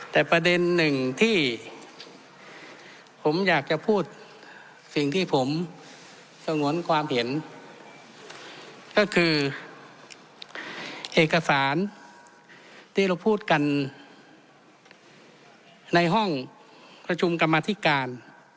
แต่ประเด็นหนึ่งที่ผมอยากจะพูดสิ่งที่ผมสงวนความเห็นก็คือเอกสารที่เราพูดกันในห้องประชุมกรรมธิการ